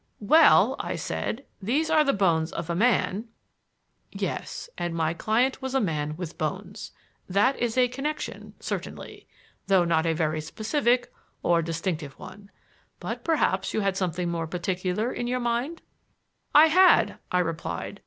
"Well," I said, "these are the bones of a man " "Yes; and my client was a man with bones. That is a connection, certainly, though not a very specific or distinctive one. But perhaps you had something more particular in your mind?" "I had," I replied.